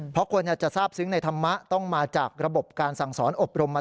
เพราะคนจะทราบซึ้งในธรรมะต้องมาจากระบบการสั่งสอนอบรมมา